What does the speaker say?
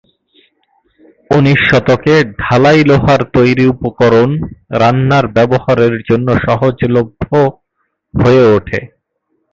উনিশ শতকে ঢালাই লোহার তৈরি উপকরণ রান্নার ব্যবহারের জন্য সহজলভ্য হয়ে উঠে।